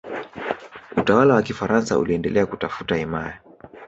utawala wa kifaransa uliendelea kutafuta himaya